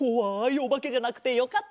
おばけじゃなくてよかった。